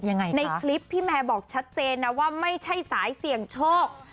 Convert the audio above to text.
ยังไงในคลิปพี่แมร์บอกชัดเจนนะว่าไม่ใช่สายเสี่ยงโชค